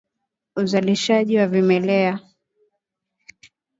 Uzalishaji wa vimelea